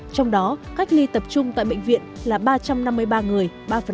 trong đó cách ly tập trung tại bệnh viện là ba trăm năm mươi ba người ba